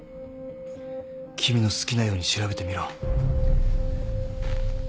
君の好きなように調べてみろ。